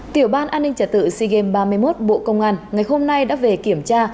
tiểu ban an ninh trả tự sea games ba mươi một bộ công an ngày hôm nay đã về kiểm tra